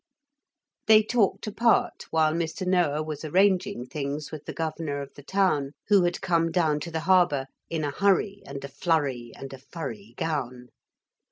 They talked apart while Mr. Noah was arranging things with the Governor of the town, who had come down to the harbour in a hurry and a flurry and a furry gown.